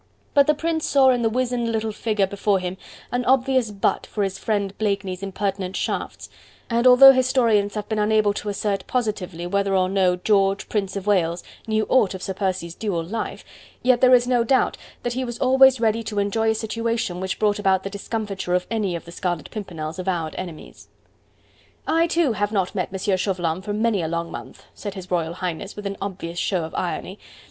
But the Prince saw in the wizened little figure before him an obvious butt for his friend Blakeney's impertinent shafts, and although historians have been unable to assert positively whether or no George Prince of Wales knew aught of Sir Percy's dual life, yet there is no doubt that he was always ready to enjoy a situation which brought about the discomfiture of any of the Scarlet Pimpernel's avowed enemies. "I, too, have not met M. Chauvelin for many a long month," said His Royal Highness with an obvious show of irony.